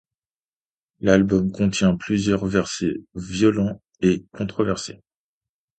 L'album contient plusieurs versets violents et controversés.